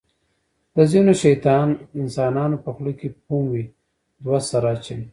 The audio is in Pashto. د ځینو شیطان انسانانو په خوله کې فوم وي. دوه سره اچوي.